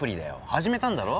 始めたんだろ？